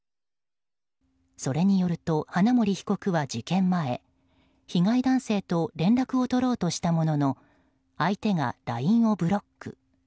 それによると花森被告は事件前被害男性と連絡を取ろうとしたものの相手がＬＩＮＥをブロック。